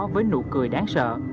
với nụ cười đáng sợ